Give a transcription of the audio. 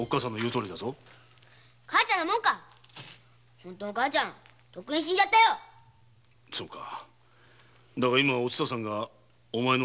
母ちゃんなもんか本当の母ちゃんとっくに死んじゃったよだが今はお蔦さんがお前の母親じゃないか。